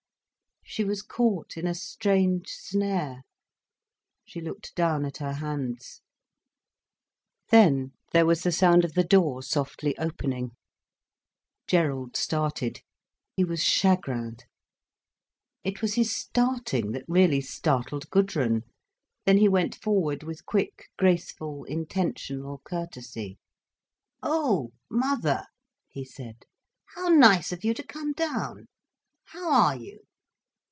She was caught in a strange snare. She looked down at her hands. Then there was the sound of the door softly opening. Gerald started. He was chagrined. It was his starting that really startled Gudrun. Then he went forward, with quick, graceful, intentional courtesy. "Oh, mother!" he said. "How nice of you to come down. How are you?"